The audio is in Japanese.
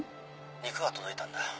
肉が届いたんだ。